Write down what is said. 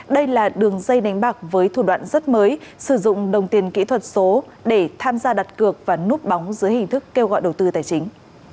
đây là đường dây đánh bạc với thủ đoạn rất mới sử dụng đồng tiền kỹ thuật số để tham gia đặt cược và núp bóng dưới hình thức kêu gọi đầu tư tài chính